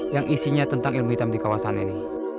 yang isinya tentang ilmu hitam di kawasan ini